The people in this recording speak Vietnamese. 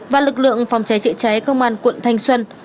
và lực lượng phòng cháy chữa cháy công an quận thanh xuân